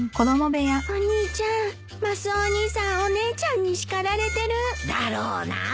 お兄ちゃんマスオお兄さんお姉ちゃんに叱られてる。だろうな。